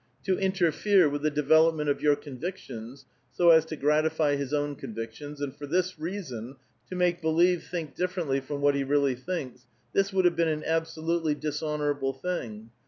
To interfere with the development of your convictions, so as to grati(y his own convictions, and for tills reason to make believe think differently from what he really thinks, — this would have been an absolutely dishon orable thing.